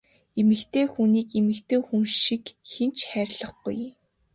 Эмэгтэй хүнийг эмэгтэй хүн шиг хэн ч хайрлахгүй!